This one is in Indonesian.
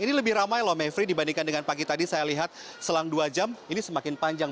ini lebih ramai loh mayfrey dibandingkan dengan pagi tadi saya lihat selang dua jam ini semakin panjang